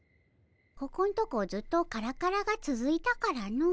ここんとこずっとカラカラがつづいたからの。